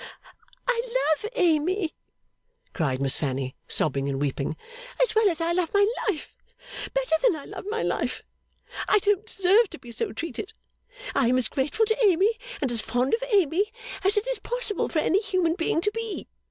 'I love Amy,' cried Miss Fanny, sobbing and weeping, 'as well as I love my life better than I love my life. I don't deserve to be so treated. I am as grateful to Amy, and as fond of Amy, as it's possible for any human being to be.